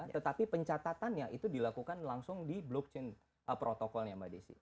tetapi pencatatannya itu dilakukan langsung di blockchain protokolnya mbak desi